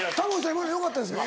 今のよかったですか？